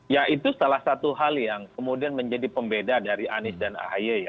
ya itu salah satu hal yang kemudian menjadi pembeda dari anies dan ahy ya